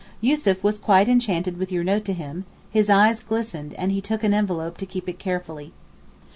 Yussuf was quite enchanted with your note to him; his eyes glistened, and he took an envelope to keep it carefully.